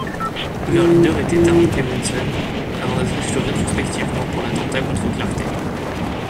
Leur leader était Arne Clementsson avant d'être exclu rétrospectivement pour l'attentat contre Clarté.